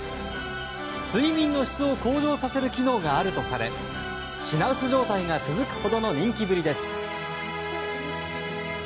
睡眠の質を向上させる機能があるとされ品薄状態が続くほどの人気ぶりです。